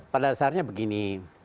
pada dasarnya begini